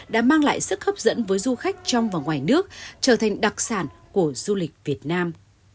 đã mang lại sức hấp dẫn với du khách trong và ngoài nước trở thành đặc sản của du lịch việt nam